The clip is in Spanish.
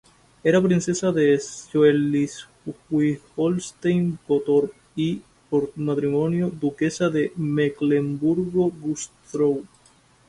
Era princesa de Schleswig-Holstein-Gottorp y, por matrimonio, duquesa de Mecklemburgo-Güstrow.